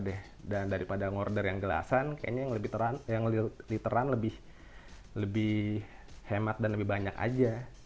dan daripada order yang gelasan sebeberapa lihat lebih hemat dan lebih banyak saja